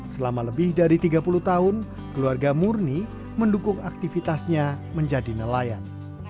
selama lebih dari tiga puluh tahun keluarga murni mendukung aktivitasnya menjadi nelayan